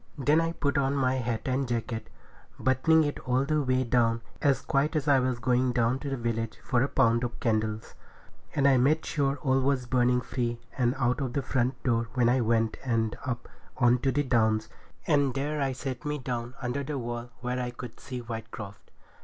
Then I put on my hat and jacket, buttoning it all the way down, as quiet as if I was going down to the village for a pound of candles. And I made sure all was burning free, and out of the front door I went and up on to the Downs, and there I set me down under the wall where I could see Whitecroft.